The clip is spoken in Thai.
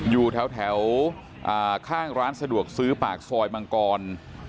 อยู่แถวข้างร้านสะดวกซื้อปากซอยมังกร